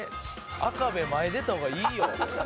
「赤兵衛前出た方がいいよ」